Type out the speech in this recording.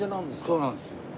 そうなんですよ。